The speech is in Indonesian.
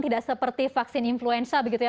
tidak seperti vaksin influenza begitu ya